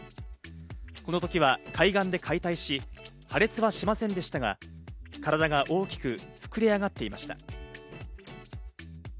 この時は海岸で解体し、破裂はしませんでしたが、体が大きく膨れあがっていました。